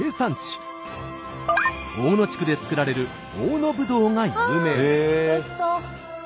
大野地区で作られる大野ぶどうが有名です。